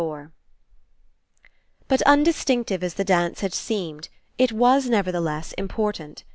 FOUR But undistinctive as the dance had seemed, it was, nevertheless, Important.